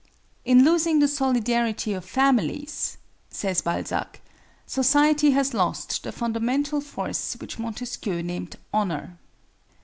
"In losing the solidarity of families," says Balzac, "society has lost the fundamental force which Montesquieu named Honor."